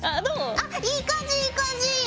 あっいい感じいい感じ！